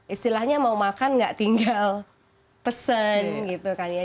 istilahnya mau makan gak tinggal pesen gitu kan ya